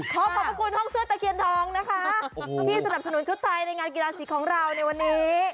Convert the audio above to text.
ขอขอบพระคุณห้องเสื้อตะเคียนทองนะคะที่สนับสนุนชุดไทยในงานกีฬาสีของเราในวันนี้